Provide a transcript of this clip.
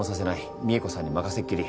美恵子さんに任せっきり。